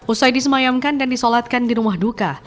usai disemayamkan dan disolatkan di rumah duka